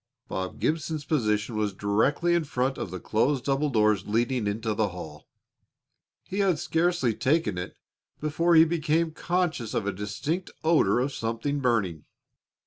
Bob Gibson's position was directly in front of the closed double doors leading into the hall. He had scarcely taken it before he became conscious of a distinct odor of something burning.